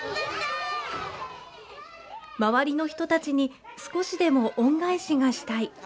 周りの人たちに少しでも恩返しがしたい。